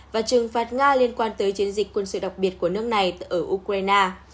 và trừng phạt nga liên quan tới chiến dịch quân sự đặc biệt của nước này ở ukraine